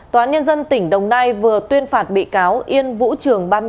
tòa án nhân dân tỉnh đồng nai vừa tuyên phạt bị cáo yên vũ trường ba mươi năm